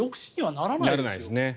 ならないですね。